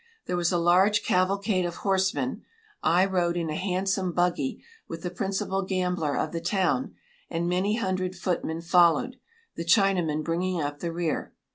There was a large cavalcade of horsemen. I rode in a handsome buggy, with the principal gambler of the town, and many hundred footmen followed, the Chinamen bringing up the rear.